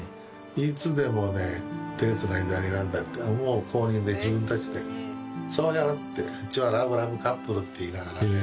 いつでもね手つないだりなんだって公認で自分たちで「そうよ」って「うちはラブラブカップル」って言いながらね